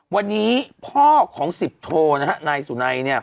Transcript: วันนี้พ่อของ๑๐โทนายสุนัย